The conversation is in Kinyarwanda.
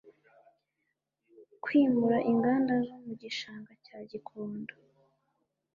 Kwimura inganda zo mu Gishanga cya Gikondo